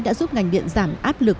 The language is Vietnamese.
đã giúp ngành điện giảm áp lực